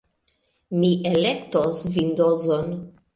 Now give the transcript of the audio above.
Mi elektos Vindozon.